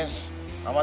sama temen abah